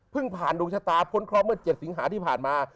เพิ่งผ่านดวงชะตาพ้นครอบเมื่อเจ็ดสิงหาที่ผ่านมา